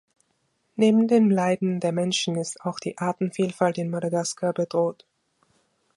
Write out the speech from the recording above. Neben dem Leiden der Menschen ist auch die Artenvielfalt in Madagaskar bedroht.